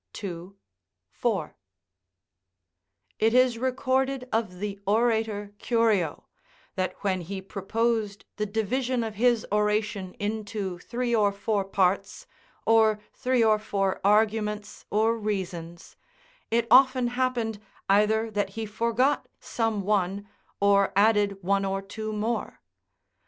4] It is recorded of the orator Curio, that when he proposed the division of his oration into three or four parts, or three or four arguments or reasons, it often happened either that he forgot some one, or added one or two more.